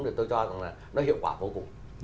thì tôi cho rằng là nó hiệu quả vô cùng